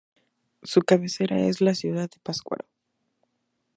Su cabecera es la ciudad de Pátzcuaro.